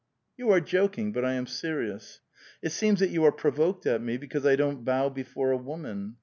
" You are joking, but I am serious." " It seems that you are provoked at me because I don't bow before a woman.